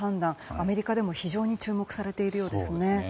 アメリカでも非常に注目されているようですね。